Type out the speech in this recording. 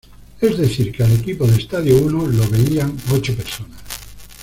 Es decir que al equipo de Estadio Uno lo veían ocho personas.